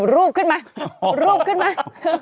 รูปขึ้นมารูปขึ้นมา